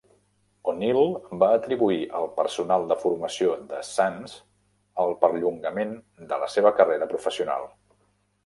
O'Neal va atribuir al personal de formació de Suns el perllongament de la seva carrera professional.